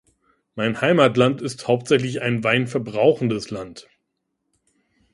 Mein Heimatland ist hauptsächlich ein Wein verbrauchendes Land.